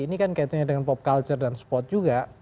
ini kan kaitannya dengan pop culture dan spot juga